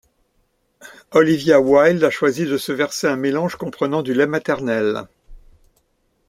Olivia Wilde a choisi de se verser un mélange comprenant du lait maternel.